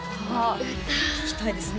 歌聞きたいですね